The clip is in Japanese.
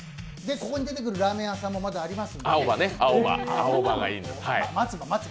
ここに出てくるラーメン屋さんもあります。